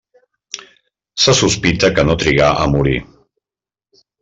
Se sospita que no trigà a morir.